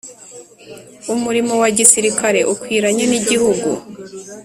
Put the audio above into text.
umurimo wa gisirikare ukwiranye n’igihugu